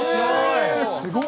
すごい。